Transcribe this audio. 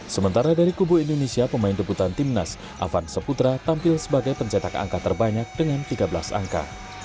sementara dari kubu indonesia pemain debutan timnas avan seputra tampil sebagai pencetak angka terbanyak dengan tiga belas angka